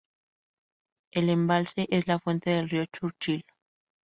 El embalse es la fuente del río Churchill.